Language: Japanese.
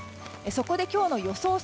そこで今日の予想